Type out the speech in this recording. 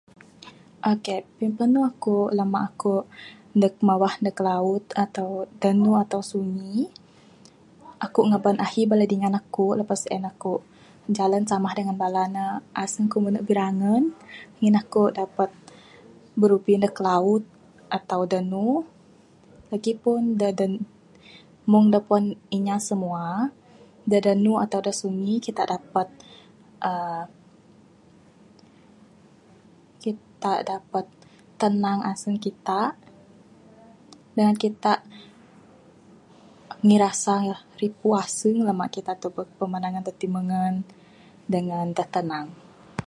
Ok pimpenu aku lemak aku ndek mawah ndek laut danu atau sungi, aku ngeban ahi bala dingan aku lepas sien aku jalan sama dengan bala ne aseng aku mine birangen ngin aku dapat birubi ndek laut atau danu lagipun dak da mung dak kuan inya semua, dak danu atau sungi kita dapat aaa kita dapat tenang aseng kita dengan kita ngirasa ripu aseng lemak kita tebuk pemandangan dak timengen dengan dak tenang.